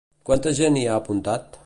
Quanta gent hi ha apuntat?